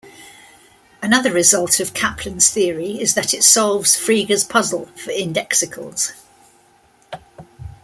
Another result of Kaplan's theory is that it solves Frege's Puzzle for indexicals.